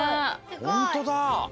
ほんとだ！